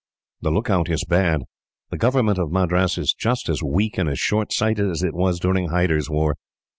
"The lookout is bad. The government of Madras is just as weak and as short sighted as it was during Hyder's war.